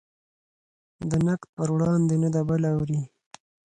د نقد پر وړاندې نه د بل اوري.